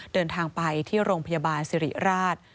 เดินทางไปที่โรงพยาบาลสิริราช